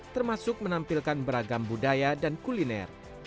termasuk menampilkan beragam budaya dan kuliner